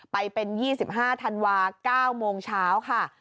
ไปเป็น๒๕ธันวา๙โมงเช้าค่ะ